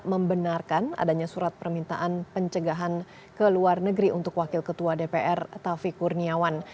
membenarkan adanya surat permintaan pencegahan ke luar negeri untuk wakil ketua dpr taufik kurniawan